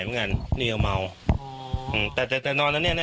เพราะฉะนั้นนี่เขามาวอ๋ออื้มแต่นอนแล้วเนี่ยแน่